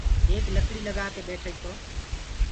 ايڪ لڪڙيٚ لگآ ڪي ٻيٺج تو